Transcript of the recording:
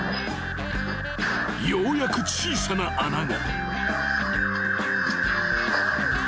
［ようやく小さな穴が］